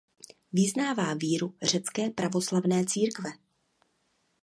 Vyznává víru Řecké pravoslavné církve.